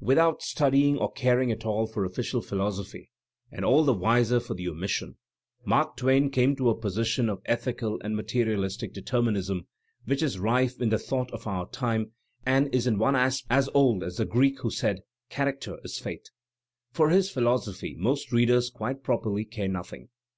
Without studying or caring at all for official philosophy Digitized by Google MARK TWAIN 275 (and all the wiser for the omission), Mark Twain came to a position of ethical and materialistic determinism which is rife in the tht)iight of our time and is in one aspect as old as the Greek who said: "Character is fate." For his phil osophy most readers quite properly care nothing.